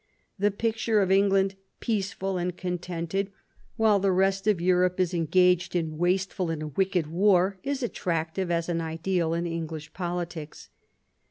The picture of England, peaceful and contented while the rest of Europe is en gaged in wasteful and wicked war, is attractive as an ideal in English politics.